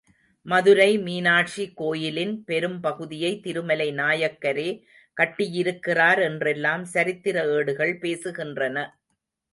மதுரை மீனாக்ஷி கோயிலின் பெரும் பகுதியை திருமலை நாயக்கரே கட்டியிருக்கிறார் என்றெல்லாம் சரித்திர ஏடுகள் பேசுகின்றன.